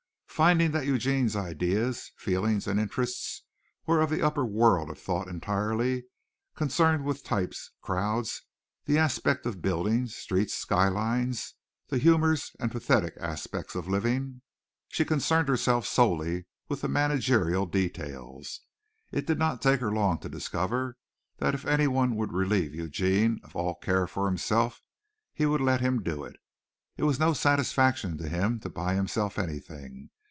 Finding that Eugene's ideas, feelings and interests were of the upper world of thought entirely concerned with types, crowds, the aspect of buildings, streets, skylines, the humors and pathetic aspects of living, she concerned herself solely with the managerial details. It did not take her long to discover that if anyone would relieve Eugene of all care for himself he would let him do it. It was no satisfaction to him to buy himself anything.